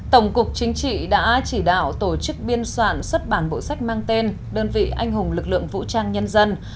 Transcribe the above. tổng cục chính trị đã chỉ đạo tổ chức biên soạn xuất bản bộ sách mang tên đơn vị anh hùng lực lượng vũ trang nhân dân